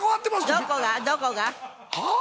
どこが？どこが？ああ！